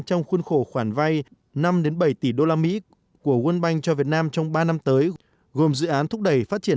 trong khuôn khổ khoản vay năm bảy tỷ usd của world bank cho việt nam trong ba năm tới gồm dự án thúc đẩy phát triển